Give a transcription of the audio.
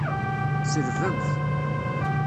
Tselbemt.